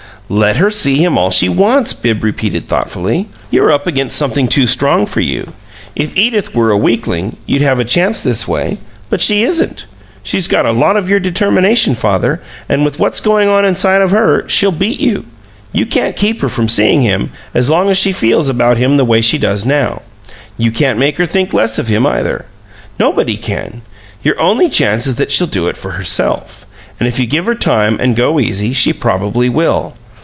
"Let her see him all she wants," Bibbs repeated, thoughtfully. "You're up against something too strong for you. If Edith were a weakling you'd have a chance this way, but she isn't. She's got a lot of your determination, father, and with what's going on inside of her she'll beat you. You can't keep her from seeing him, as long as she feels about him the way she does now. You can't make her think less of him, either. Nobody can. Your only chance is that she'll do it for herself, and if you give her time and go easy she probably will.